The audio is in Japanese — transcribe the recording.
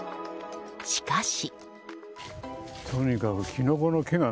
しかし。